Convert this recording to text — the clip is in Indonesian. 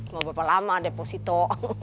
mau berapa lama deposito